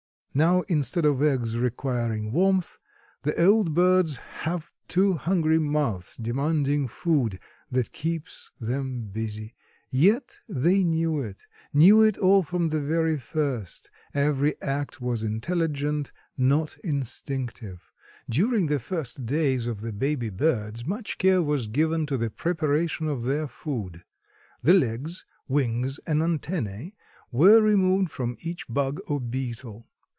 Now instead of eggs requiring warmth the old birds have two hungry mouths demanding food, that keeps them busy. Yet they knew it, knew it all from the very first; every act was intelligent, not instinctive. During the first days of the baby birds, much care was given to the preparation of their food; the legs, wings and antennae were removed from each bug or beetle.